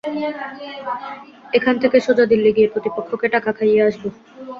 এখান থেকে সোজা দিল্লি গিয়ে প্রতিপক্ষকে টাকা খাইয়ে আসবো।